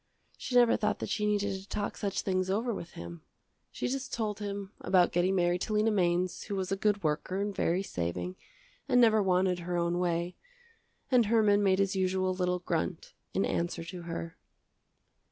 She never thought that she needed to talk such things over with him. She just told him about getting married to Lena Mainz who was a good worker and very saving and never wanted her own way, and Herman made his usual little grunt in answer to her.